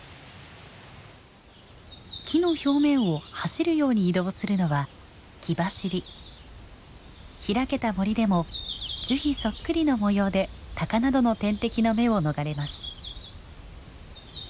木の表面を走るように移動するのは開けた森でも樹皮そっくりの模様でタカなどの天敵の目を逃れます。